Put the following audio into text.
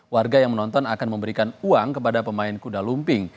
warga yang menonton akan memberikan uang kepada pemain kuda lumping